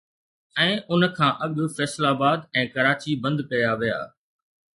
۽ ان کان اڳ فيصل آباد ۽ ڪراچي بند ڪيا ويا